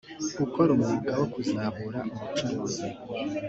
ukora umwuga wo kuzahura ubucuruzi